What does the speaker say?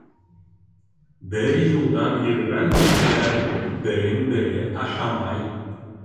Бер юлдан йөрөгән кешеләр берен-бере ашамай.